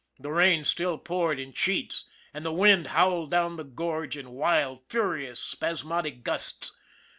The rain still poured in sheets, and the wind howled down the gorge in wild, furious, spasmodic gusts.